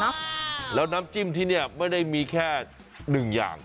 ใช่ใช่แล้วน้ำจิ้มไม่ได้มีแค่๑อย่าง